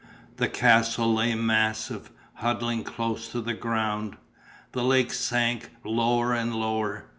The castle lay massive, huddling close to the ground. The lake sank lower and lower.